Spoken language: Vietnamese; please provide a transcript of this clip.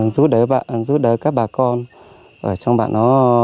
giúp đỡ các bà con ở trong bàn